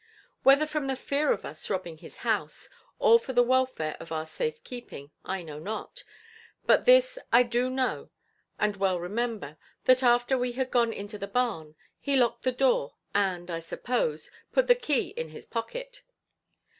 Whether from the fear of us robbing his house, or for the welfare of our safe keeping I know not, but this I do know and well remember, that after we had gone into the barn, he locked the door and, I suppose, put the key in his pocket.